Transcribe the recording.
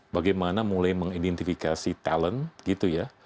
bagaimana mulai mengidentifikasi talent gitu ya